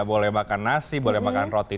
boleh makan nasi boleh makan roti